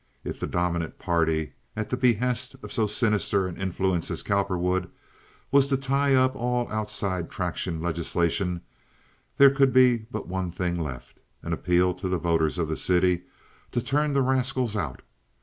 If the dominant party, at the behest of so sinister an influence as Cowperwood, was to tie up all outside traction legislation, there could be but one thing left—an appeal to the voters of the city to turn the rascals out.